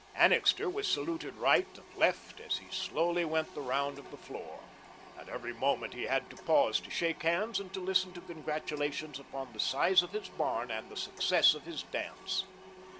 Annixter was saluted right and left as he slowly went the round of the floor. At every moment he had to pause to shake hands and to listen to congratulations upon the size of his barn and the success of his dance.